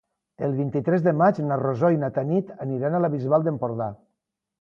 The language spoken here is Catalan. El vint-i-tres de maig na Rosó i na Tanit aniran a la Bisbal d'Empordà.